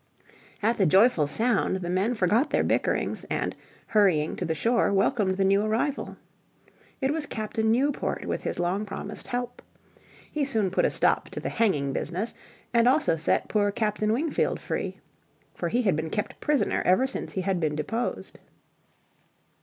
At the joyful sound the, men forgot their bickerings, and hurrying to the shore welcomed the new arrival. It was Captain Newport with his long promised help. He soon put a stop to the hanging business, and also set poor Captain Wingfield free. For he had been kept prisoner ever since he had been deposed.